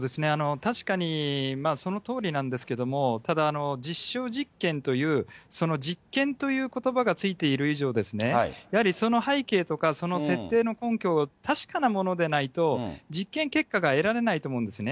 確かにそのとおりなんですけども、ただ、実証実験という、その実験ということばがついている以上ですね、やはりその背景とか、その設定の根拠は確かなものでないと、実験結果が得られないと思うんですね。